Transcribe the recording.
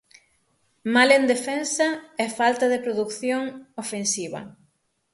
Mal en defensa e falta de produción ofensiva.